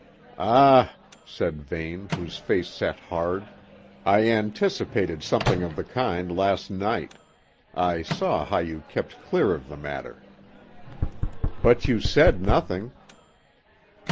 "Ah!" said Vane, whose face set hard. "I anticipated something of the kind last night; I saw how you kept clear of the matter." "But you said nothing."